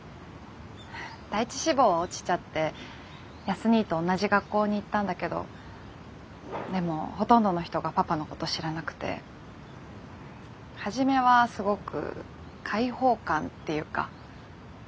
第１志望は落ちちゃって康にぃと同じ学校に行ったんだけどでもほとんどの人がパパのこと知らなくて初めはすごく解放感っていうか自由みたいな。